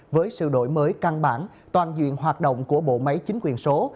với sự đổi mới căn bản toàn diện hoạt động của bộ máy chính quyền số